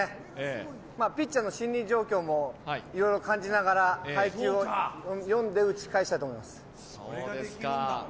ピッチャーの心理状況もいろいろ感じながら、配球を読んで打ち返したいと思います。